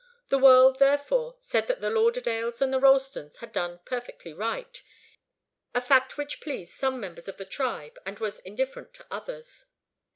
The world, therefore, said that the Lauderdales and the Ralstons had done perfectly right, a fact which pleased some members of the tribe and was indifferent to others.